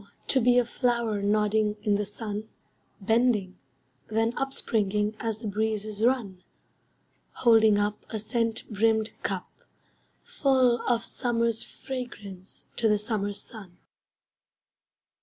To be a flower Nodding in the sun, Bending, then upspringing As the breezes run; Holding up A scent brimmed cup, Full of summer's fragrance to the summer sun.